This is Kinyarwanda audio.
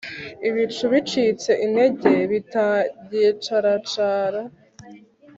ibicu bicitse intege bitagicaracara